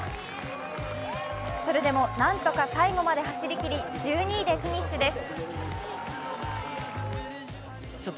それでもなんとか最後まで走りきり、１２位でフィニッシュです。